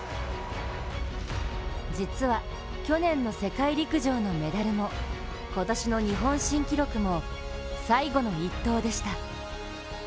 実は去年の世界陸上のメダルも今年の日本新記録も、最後の一投でした。